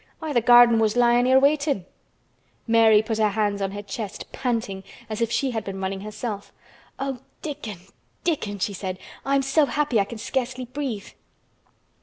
Why, th' garden was lyin' here waitin'!" Mary put her hands on her chest, panting, as if she had been running herself. "Oh, Dickon! Dickon!" she said. "I'm so happy I can scarcely breathe!"